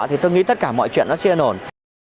thì tôi nghĩ tất cả mọi chuyện nó sẽ ơn ổn